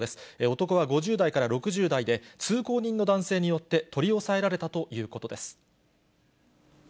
男は５０代から６０代で、通行人の男性によって取り押さえられたということです。